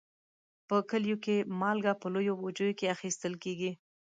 په کلیو کې مالګه په لویو بوجیو کې اخیستل کېږي.